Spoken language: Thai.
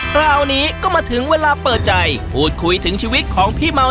คราวนี้ก็มาถึงเวลาเปิดใจพูดคุยถึงชีวิตของพี่เมา